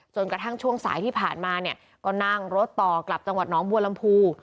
กระทั่งช่วงสายที่ผ่านมาเนี่ยก็นั่งรถต่อกลับจังหวัดน้องบัวลำพู